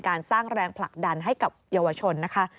สร้างแรงผลักดันให้กับเยาวชนนะคะ